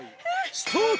スタート。